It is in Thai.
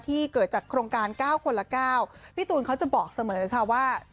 เกิดจากโครงการ๙คนละ๙พี่ตูนเขาจะบอกเสมอค่ะว่า